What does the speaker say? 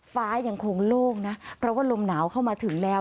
ฟ้ายังคงโล่งนะเพราะว่าลมหนาวเข้ามาถึงแล้ว